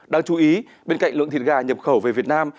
đáng chú ý bên cạnh lượng thịt gà nhập khẩu về việt nam